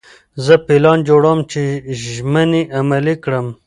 زه پلان جوړوم چې ژمنې عملي کړم.